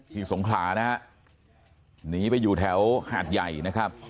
สงขลานะฮะหนีไปอยู่แถวหาดใหญ่นะครับ